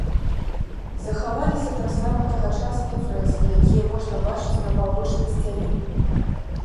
Захаваліся таксама тагачасныя фрэскі, якія можна бачыць на паўночнай сцяне.